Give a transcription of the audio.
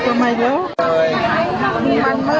พอเราเคยเห็น